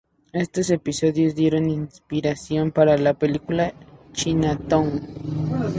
Estos episodios dieron inspiración para la película "Chinatown".